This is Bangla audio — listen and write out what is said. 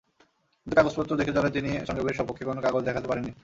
কিন্তু কাগজপত্র দেখতে চাইলে তিনি সংযোগের সপক্ষে কোনো কাগজ দেখাতে পারেননি।